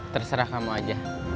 terserah kamu aja